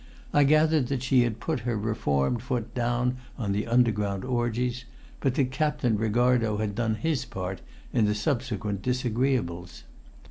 I gathered that she had put her reformed foot down on the underground orgies, but that Captain Ricardo had done his part in the subsequent disagreeables.